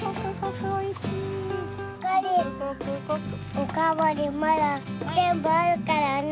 おかわりまだぜんぶあるからね。